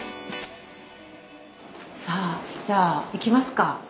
さあじゃあいきますか。